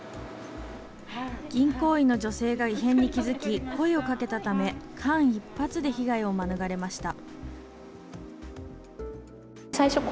銀行員の女性が異変に気付き、声をかけたため間一髪で被害を免れました。